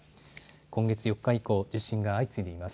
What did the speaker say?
今月４日以降、地震が相次いでいます。